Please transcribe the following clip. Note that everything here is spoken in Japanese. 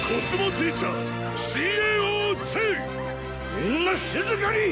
みんな静かにぃ！